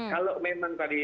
kalau memang tadi